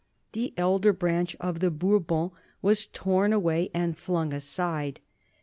The elder branch of the Bourbons was torn away and flung aside.